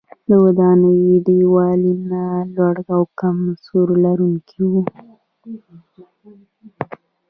د ودانیو دیوالونه لوړ او کم سور لرونکي وو.